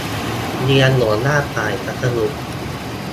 เรียน หัวหน้าฝ่ายพัสดุ